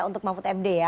untuk mahfud md ya